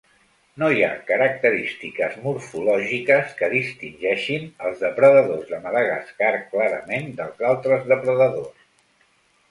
No hi ha característiques morfològiques que distingeixin els depredadors de Madagascar clarament dels altres depredadors.